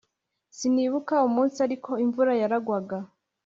Sinibuka umunsi ariko imvura yaragwaga